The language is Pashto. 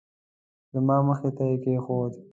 زما مخې ته یې کېښود.